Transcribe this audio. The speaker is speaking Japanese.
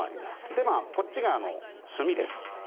でこっちが炭です。